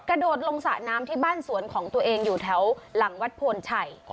กระโดดลงสระน้ำที่บ้านสวนของตัวเองอยู่แถวหลังวัดโพนชัย